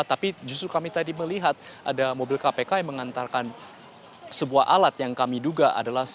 tapi justru kami tadi melihat ada mobil kpk yang mengantarkan sebuah alat yang kami duga adalah